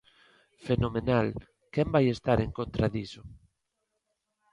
Fenomenal, ¿quen vai estar en contra diso?